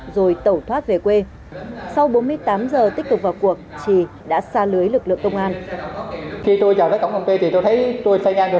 rồi tẩu thoát về quê sau bốn mươi tám giờ tích cực vào cuộc trì đã xa lưới lực lượng công an